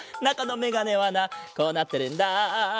なかのメガネはなこうなってるんだ。